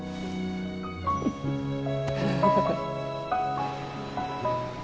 フフフフ。